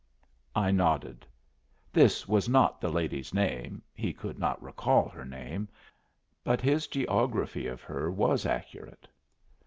I nodded. This was not the lady's name he could not recall her name but his geography of her was accurate.